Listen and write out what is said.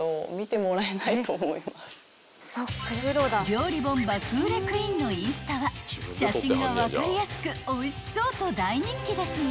［料理本爆売れクイーンのインスタは写真が分かりやすくおいしそうと大人気ですが］